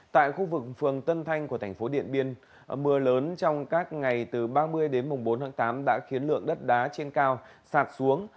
tại khu vực phường tân thanh của thành phố điện biên mưa lớn trong các ngày từ ba mươi đến bốn tháng tám đã khiến lượng đất đá trên cao sạt xuống